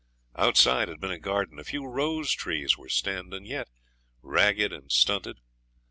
Outside had been a garden; a few rose trees were standing yet, ragged and stunted.